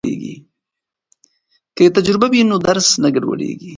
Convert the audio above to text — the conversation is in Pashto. که تجربه وي نو درس نه ګډوډیږي.